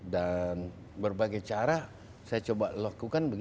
dan berbagai cara saya coba lakukan